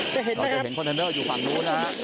เราจะเห็นคอนเทนเนอร์อยู่ฝั่งนู้นนะฮะ